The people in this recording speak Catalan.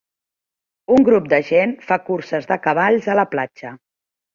Un grup de gent fa curses de cavalls a la platja.